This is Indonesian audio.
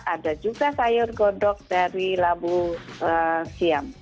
ada juga sayur godok dari labu siam